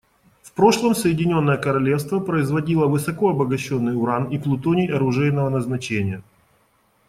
В прошлом Соединенное Королевство производило высокообогащенный уран и плутоний оружейного назначения.